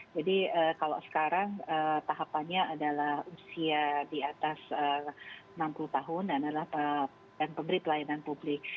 jadi kalau sekarang tahapannya adalah usia di atas enam puluh tahun dan adalah pemberi pelayanan publik